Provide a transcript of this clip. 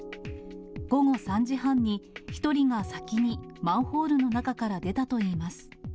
午後３時半に、１人が先にマンホールの中から出たといいます。